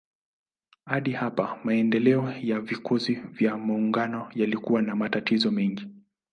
Hadi hapa maendeleo ya vikosi vya maungano yalikuwa na matatizo mengi.